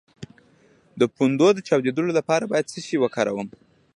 د پوندو د چاودیدو لپاره باید څه شی وکاروم؟